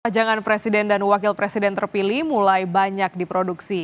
jangan presiden dan wakil presiden terpilih mulai banyak diproduksi